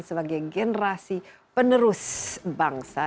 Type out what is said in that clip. sebagai generasi penerus bangsa